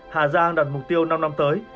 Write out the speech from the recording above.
hà giang đặt mục tiêu năm năm tới